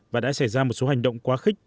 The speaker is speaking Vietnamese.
và đã xảy ra một số hành động quá khích